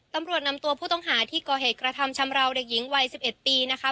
ตำรวจนำตัวผู้ต้องหาที่กฮกระทำชำลาวเด็กหญิงวัยสิบเอ็ดปีนะคะ